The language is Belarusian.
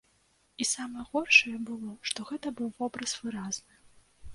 І самае горшае было, што гэта быў вобраз выразны.